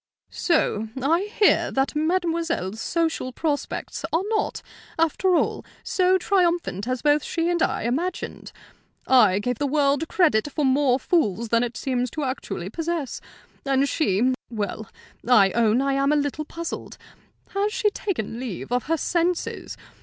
"So I hear that mademoiselle's social prospects are not, after all, so triumphant as both she and I imagined. I gave the world credit for more fools than it seems actually to possess; and she well, I own I am a little puzzled. Has she taken leave of her senses?